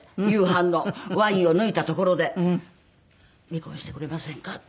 夕飯のワインを抜いたところで「離婚してくれませんか？」